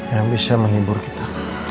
yang bisa menghibur kita